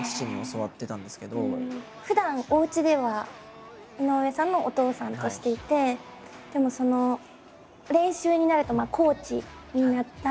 ふだんおうちでは井上さんのお父さんとしていてでも練習になるとコーチになるわけで。